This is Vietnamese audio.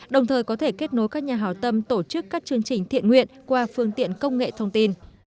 đồng thời có thể kết nối các nhà hào tâm tổ chức các chương trình thiện nguyện qua phương tiện công nghệ thông tin